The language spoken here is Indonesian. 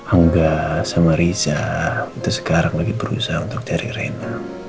angga sama riza itu sekarang lagi berusaha untuk teri rena